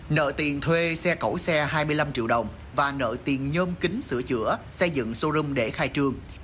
nợ tiền thuê xe cẩu xe hai mươi năm triệu đồng và nợ tiền nhôm kính sửa chữa xây dựng showroom để khai trương